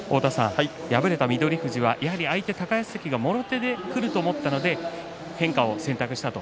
敗れた翠富士はやはり相手、高安関がもろ手でくると思ったので変化を選択したと。